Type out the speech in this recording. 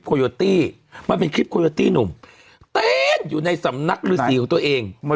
โยตี้มันเป็นคลิปโคโยตี้หนุ่มเต้นอยู่ในสำนักฤษีของตัวเอง